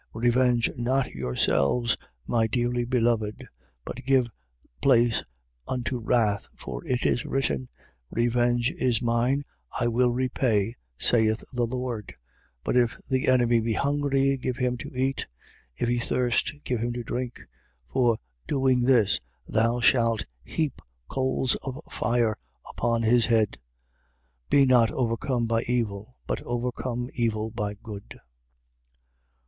12:19. Revenge not yourselves, my dearly beloved; but give place unto wrath, for it is written: Revenge is mine, I will repay, saith the Lord. 12:20. But if the enemy be hungry, give him to eat; if he thirst, give him to drink. For, doing this, thou shalt heap coals of fire upon his head. 12:21. Be not overcome by evil: but overcome evil by good.